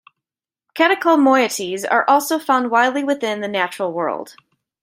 Catechol moieties are also found widely within the natural world.